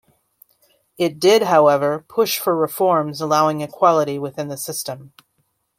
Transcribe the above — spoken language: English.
It did, however, push for reforms allowing equality within the system.